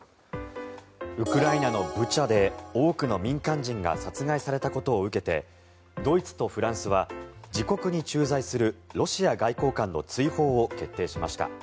ウクライナのブチャで多くの民間人が殺害されたことを受けてドイツとフランスは自国に駐在するロシア外交官の追放を決定しました。